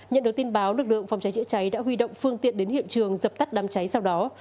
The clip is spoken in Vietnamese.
nhận được tin báo lực lượng phòng cháy chữa cháy đã huy động phương tiện đến hiện trường dập tắt đám cháy sau đó